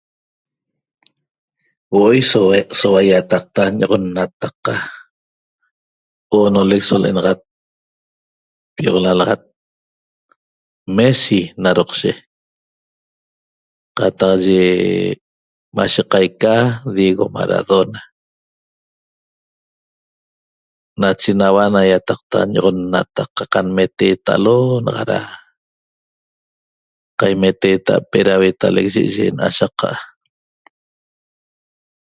Huo'oi soua iataqta ñoxonnataqa' oonolec so le'enaxat pioqlalaxat Messi na roqshe qataq ye mashe qaica Diego Maradona nache naua na iataqta ñoxonnataqa' qanmeteta'alo naxa ra qaimeta'ape ra huetalec ye'eye na'ashaqa'